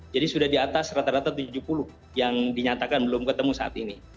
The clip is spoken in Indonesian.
jadi sudah di atas rata rata tujuh puluh yang dinyatakan belum ketemu saat ini